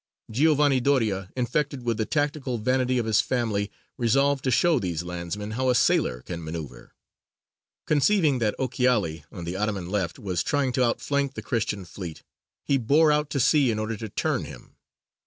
Giovanni Doria, infected with the tactical vanity of his family, resolved to show these landsmen how a sailor can manoeuvre. Conceiving that Ochiali, on the Ottoman left, was trying to outflank the Christian fleet, he bore out to sea in order to turn him.